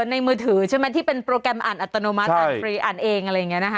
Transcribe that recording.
ในมือถือใช่ไหมที่เป็นโปรแกรมอ่านอัตโนมัติอ่านฟรีอ่านเองอะไรอย่างนี้นะคะ